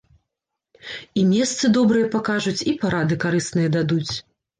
І месцы добрыя пакажуць, і парады карысныя дадуць.